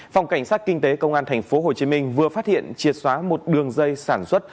phòng cảnh sát kinh tế công an tp hcm vừa phát hiện triệt xóa một đường dây sản xuất